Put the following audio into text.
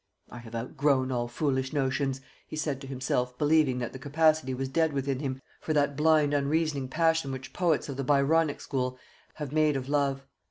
"I have outgrown all foolish notions," he said to himself, believing that the capacity was dead within him for that blind unreasoning passion which poets of the Byronic school have made of love.